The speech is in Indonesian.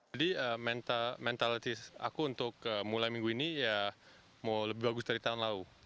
jadi mentalitas aku untuk mulai minggu ini ya mau lebih bagus dari tahun lalu